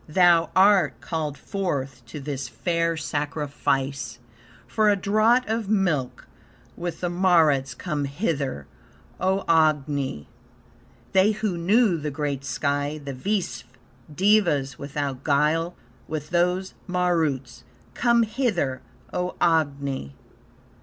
"Thou art called forth to this fair sacrifice For a draught of milk; with the Maruts Come hither, O Agni! They who know the great sky, the Visve Devas without guile; with those Maruts Come hither, O Agni!